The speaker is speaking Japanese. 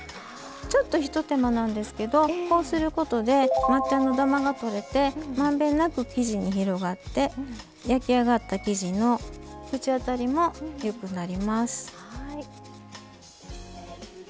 ちょっとひと手間なんですけどこうすることで抹茶のダマがとれてまんべんなく生地に広がって焼き上がった生地の口当たりもよくなります。